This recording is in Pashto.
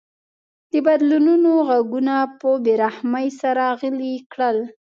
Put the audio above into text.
د بدلونونو غږونه په بې رحمۍ سره غلي کړل.